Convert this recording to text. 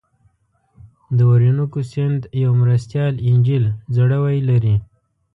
د اورینوکو سیند یوه مرستیال انجیل ځړوی لري.